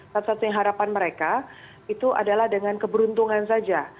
satu satunya harapan mereka itu adalah dengan keberuntungan saja